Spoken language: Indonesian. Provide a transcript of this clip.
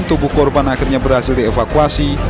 tubuh korban akhirnya berhasil dievakuasi